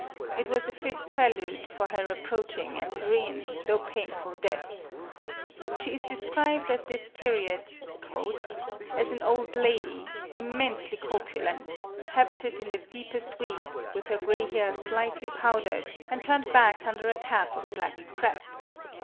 It was a fit prelude for her approaching and serene, though painful death. She is described, at this period, " as an old lady, immensely corpulent, habited in the deepest weeds, with her gray hair slightly powdered, and turned back under a cap of black crape.